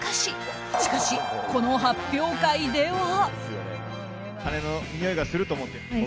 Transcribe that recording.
しかし、この発表会では。